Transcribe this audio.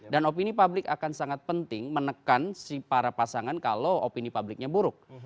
dan opini publik akan sangat penting menekan si para pasangan kalau opini publiknya buruk